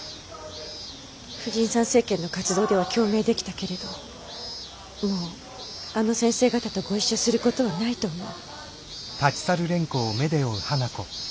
婦人参政権の活動では共鳴できたけれどもうあの先生方とご一緒する事はないと思う。